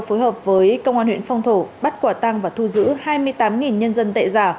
phối hợp với công an huyện phong thổ bắt quả tăng và thu giữ hai mươi tám nhân dân tệ giả